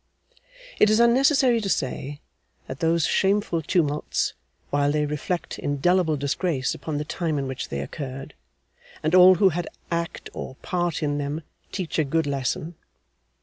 It is unnecessary to say, that those shameful tumults, while they reflect indelible disgrace upon the time in which they occurred, and all who had act or part in them, teach a good lesson.